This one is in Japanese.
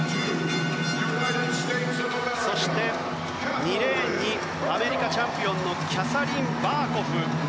そして、２レーンアメリカチャンピオンのキャサリン・バーコフ。